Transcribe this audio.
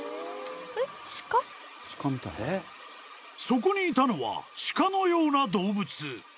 ［そこにいたのは鹿のような動物］